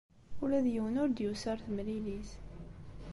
Ula d yiwen ur d-yusi ɣer temlilit.